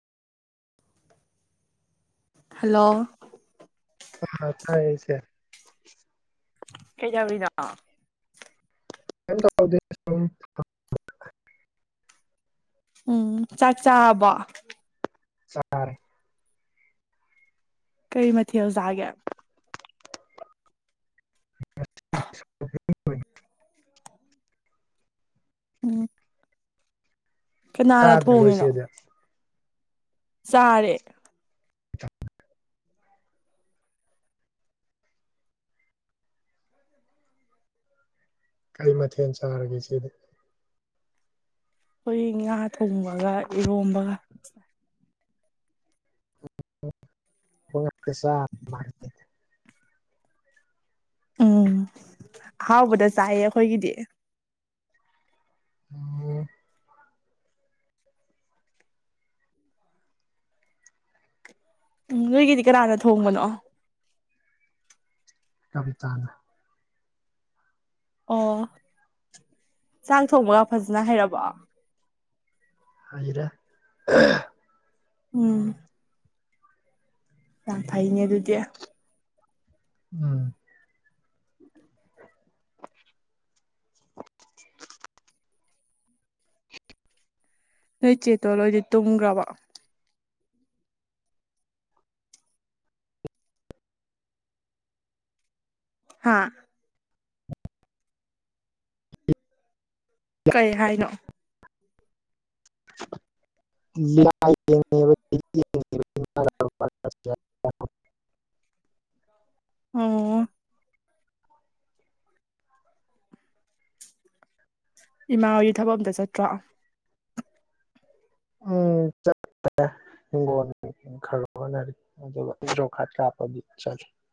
hello ꯑꯥ ꯊꯥꯏꯁ ꯀꯩ ꯌꯥꯕꯗ ꯎꯗ ꯎꯝ ꯆꯥꯛ ꯆꯥꯕ ꯆꯔꯦ ꯀꯔꯤ ꯃꯊꯤ ꯍꯧꯖꯒꯦ ꯎ ꯑꯩꯄꯣꯏ ꯎꯝ ꯀꯅꯥꯅ ꯆꯥꯗ꯭ꯔꯤꯕꯣ ꯊꯣꯡꯉꯤꯅꯣ ꯏꯆꯦꯗꯤ ꯁꯥꯔꯦ ꯀꯔꯤ ꯃꯊꯦꯜ ꯆꯥꯔꯒꯦ ꯁꯤꯗ ꯍꯣꯏ ꯊꯣꯡꯕꯒ ꯏꯔꯣꯝꯕꯒ ꯍꯣꯏ ꯀꯁꯥ ꯎꯝ ꯑꯍꯥꯎꯕꯗ ꯆꯥꯏꯌꯦ ꯑꯩꯈꯣꯏꯒꯤꯗꯤ ꯑ ꯎꯒ ꯀꯔꯅ ꯊꯣꯡꯕꯅꯣ ꯀꯕꯤ ꯇꯥꯅ ꯑꯣ ꯆꯥꯛ ꯊꯣꯡꯕꯒ ꯐꯖꯅ ꯍꯩꯔꯕ ꯍꯧꯖꯤꯔꯥ ꯎꯝ ꯌꯥꯝ ꯐꯩꯅꯦꯦ ꯑꯗꯨꯗꯤꯦ ꯎꯝ ꯅꯣꯏ ꯆꯦꯇꯣꯂꯣꯣꯏꯗꯤ ꯇꯨꯝꯈ꯭ꯔꯕ ꯍꯥꯥ ꯀꯩ ꯍꯥꯏꯅꯣ ꯌꯥ ꯌꯦꯉꯕ ꯌꯦ ꯑꯣ ꯏꯃꯥ ꯍꯒꯤ ꯊꯕ ꯑꯝꯇ ꯆꯠꯇ꯭ꯔꯥ ꯎꯝꯠꯦ ꯍꯤꯡꯣꯜ ꯈꯔ ꯍꯅꯔꯤ ꯑꯗꯨꯒꯣꯞꯄ ꯆꯠ